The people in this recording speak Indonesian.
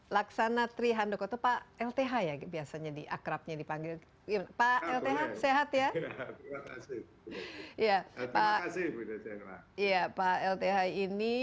laksanatri handoko atau pak lth ya biasanya di akrabnya dipanggil pak lth sehat ya ya pak lth ini